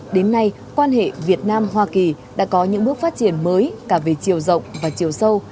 đến nay quan hệ việt nam hoa kỳ đã có những bước phát triển mới cả về chiều rộng và chiều sâu